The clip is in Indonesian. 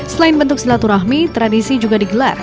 selain bentuk silaturahmi tradisi juga digelar